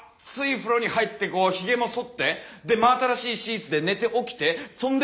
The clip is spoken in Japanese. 風呂に入ってこうヒゲも剃ってで真新しいシーツで寝て起きてそんで。